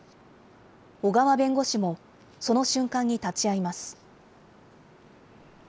小川弁護士もその瞬間に立ち会います。